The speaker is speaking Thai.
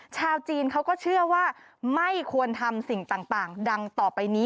ชาวจีนเขาก็เชื่อว่าไม่ควรทำสิ่งต่างดังต่อไปนี้